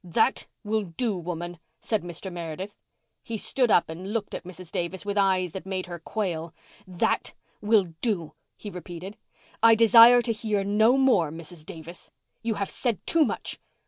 "That will do, woman!" said Mr. Meredith. He stood up and looked at Mrs. Davis with eyes that made her quail. "That will do," he repeated. "I desire to hear no more, Mrs. Davis. You have said too much.